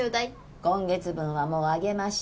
今月分はもうあげました。